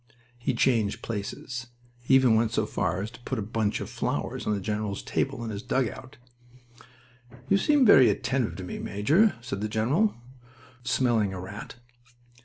He changed places. He even went so far as to put a bunch of flowers on the general's table in his dugout. "You seem very attentive to me, major," said the general, smelling a rat.